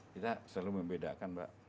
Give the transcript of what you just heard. kita selalu membedakan pak